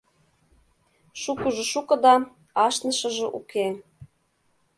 — Шукыжо шуко да... ашнышыже уке.